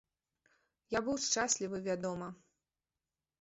Я быў шчаслівы, вядома.